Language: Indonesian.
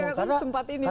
iya gak ada sempat ini ya